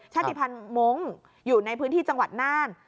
ชาติภัณฑ์มงค์อยู่ในพื้นที่จังหวัดน่าน